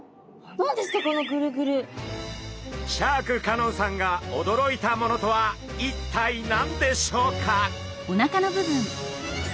シャーク香音さんが驚いたものとは一体何でしょうか？